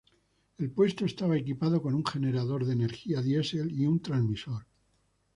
El puesto estaba equipado con un generador de energía diesel y un transmisor.